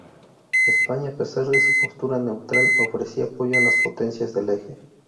España, a pesar de su postura neutral, ofrecía apoyo a las Potencias del Eje.